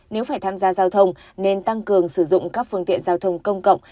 nếu phải tham gia giao thông nên tăng cường sử dụng các phương tiện giao thông công cộng